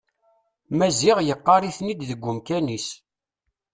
Maziɣ yeqqar-iten-id deg umkan-is.